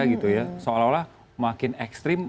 gitu ya seolah olah makin ekstrim